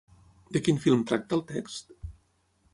De quin film tracta el text?